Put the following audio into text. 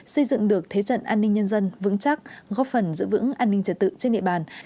xây dựng được thế trận an ninh nhân dân vững chắc góp phần giữ vững an ninh trật tự trên địa bàn